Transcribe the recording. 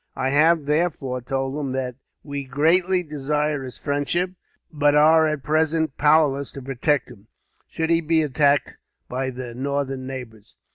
I have, therefore, told him that we greatly desire his friendship, but are at present powerless to protect him, should he be attacked by his northern neighbours.